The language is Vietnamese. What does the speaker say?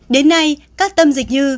đến nay các tâm dịch như